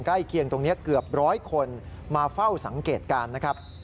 ใกล้เคียงตรงนี้เกือบร้อยคนมาเฝ้าสังเกตการณ์นะครับ